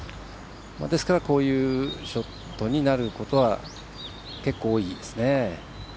ですからこういうショットになることは結構、多いですね。